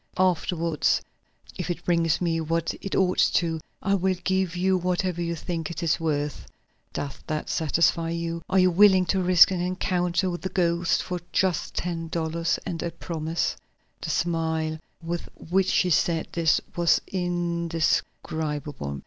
Afterward if it brings me what it ought to, I will give you whatever you think it is worth. Does that satisfy you? Are you willing to risk an encounter with the ghost, for just ten dollars and a promise?" The smile with which she said this was indescribable.